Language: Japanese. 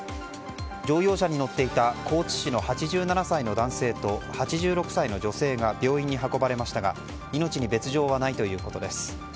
乗用車に乗っていた高知市の８７歳の男性と８６歳の女性が８６歳の女性が病院に運ばれましたが命に別条はないということです。